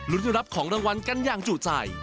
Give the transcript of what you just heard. รุ่นรับของรางวัลกันอย่างจู่ใจ